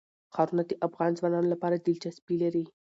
ښارونه د افغان ځوانانو لپاره دلچسپي لري.